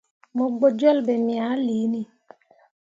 Mo gbo jolle be me ah liini.